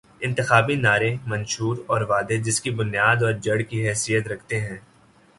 انتخابی نعرے، منشور اور وعدے، جس کی بنیاداور جڑ کی حیثیت رکھتے تھے۔